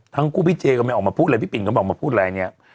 ทั้งคู่พี่เจก็ไม่ออกมาพูดอะไรพี่ปิ่นก็ไม่ออกมาพูดอะไรเนี่ย